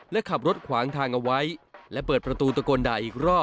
และขับรถขวางทางเอาไว้